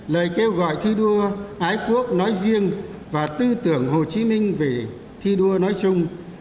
lời kêu gọi thi đua ái quốc nói riêng và tư tưởng hồ chí minh về thi đua nói chung